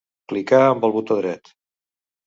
Clicar amb el botó dret.